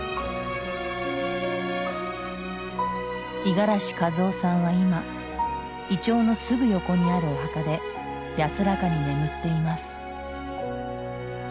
五十嵐和雄さんは今イチョウのすぐ横にあるお墓で安らかに眠っています。